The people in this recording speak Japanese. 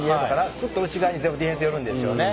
すっと内側にディフェンスよるんですよね。